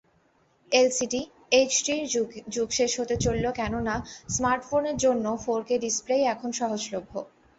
LCD, এইচডির যুগ শেষ হতে চলল কেননা, স্মার্টফোনের জন্য ফোরকে ডিসপ্লেই এখন সহজলভ্য।